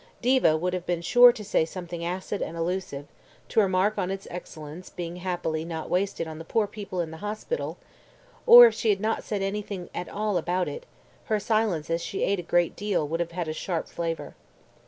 Diva would have been sure to say something acid and allusive, to remark on its excellence being happily not wasted on the poor people in the hospital, or, if she had not said anything at all about it, her silence as she ate a great deal would have had a sharp flavour.